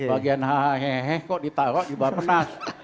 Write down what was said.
bagian hehehe kok ditaro di bapenas